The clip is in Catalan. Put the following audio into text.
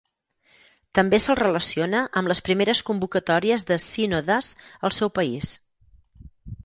També se'l relaciona amb les primeres convocatòries de sínodes al seu país.